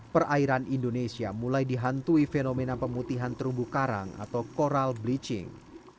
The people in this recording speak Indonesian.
perairan indonesia mulai dihantui fenomena pemutihan terumbu karang atau coral bleaching